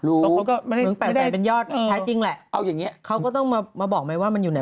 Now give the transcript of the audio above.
รู้มึง๘๐๐๐๐๐เป็นยอดแท้จริงแหละเอาอย่างนี้เขาก็ต้องมาบอกไหมว่ามันอยู่ไหน